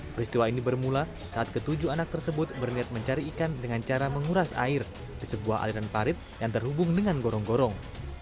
peristiwa ini bermula saat ketujuh anak tersebut berniat mencari ikan dengan cara menguras air di sebuah aliran parit yang terhubung dengan gorong gorong